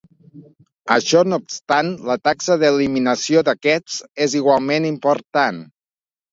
Això no obstant, la taxa d'eliminació d'aquests és igualment important.